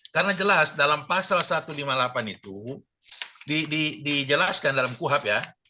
karena jelas dalam pasal satu ratus lima puluh delapan itu dijelaskan dalam kuhp ya